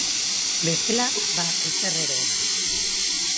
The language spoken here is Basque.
Bestela, ba ezer ere ez.